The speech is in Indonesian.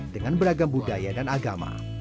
dengan beragam budaya dan agama